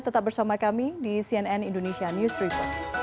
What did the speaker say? tetap bersama kami di cnn indonesia news report